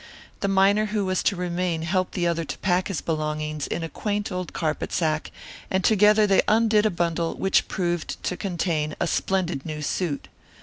The miner who was to remain helped the other to pack his belongings in a quaint old carpet sack, and together they undid a bundle which proved to contain a splendid new suit.